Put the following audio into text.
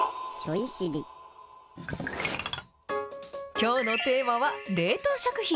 きょうのテーマは冷凍食品。